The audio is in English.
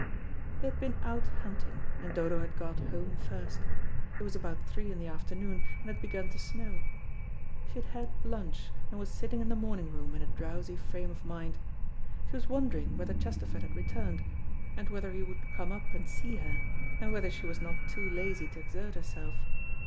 They had been out hunting, and Dodo had got home first. It was about three in the afternoon, and it had begun to snow. She had had lunch, and was sitting in the morning room in a drowsy frame of mind. She was wondering whether Chesterford had returned, and whether he would come up and see her, and whether she was not too lazy to exert herself.